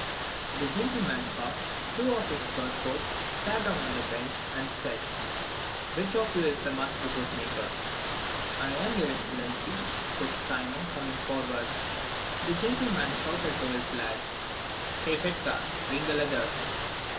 The gentleman puffed, threw off his fur coat, sat down on the bench, and said, "Which of you is the master bootmaker?" "I am, your Excellency," said Simon, coming forward. Then the gentleman shouted to his lad, "Hey, Fedka, bring the leather!"